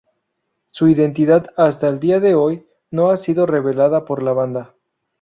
Su identidad, hasta el día de hoy, no ha sido revelada por la banda.